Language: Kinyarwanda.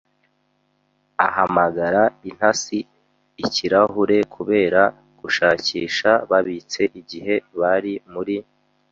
ahamagara Intasi-ikirahure, kubera gushakisha babitse igihe bari muri